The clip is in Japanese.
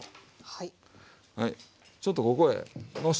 はい。